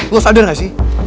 lo sadar gak sih